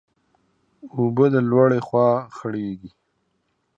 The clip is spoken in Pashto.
اوبه د لوړي خوا خړېږي.